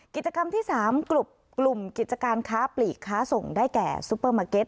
กิจกรรมที่๓กลุ่มกิจการค้าปลีกค้าส่งได้แก่ซูเปอร์มาร์เก็ต